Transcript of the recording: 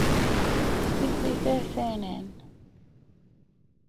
اس بچ ترّے صحن ہن۔